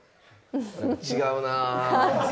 違うなあ。